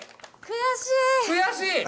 悔しい？